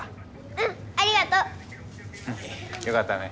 うんありがとう。よかったね。